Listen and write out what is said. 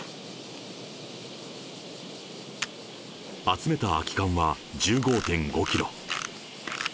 集めた空き缶は１５．５キロ。